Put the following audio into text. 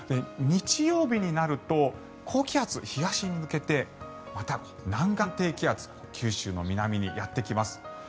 日曜日になると高気圧、東に抜けてまた南岸低気圧が九州の南にやってきます。